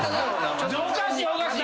おかしいおかしい。